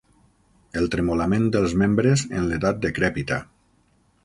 El tremolament dels membres en l'edat decrèpita.